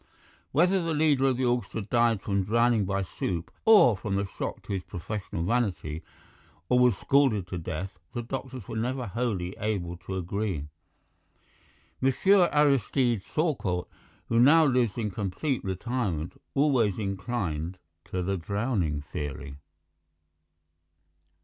"Whether the leader of the orchestra died from drowning by soup, or from the shock to his professional vanity, or was scalded to death, the doctors were never wholly able to agree. Monsieur Aristide Saucourt, who now lives in complete retirement, always inclined to the drowning theory."